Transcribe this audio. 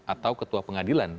atau ketua pengadilan